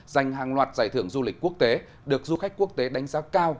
dành hàng loạt giải thưởng du lịch quốc tế được du khách quốc tế đánh giá cao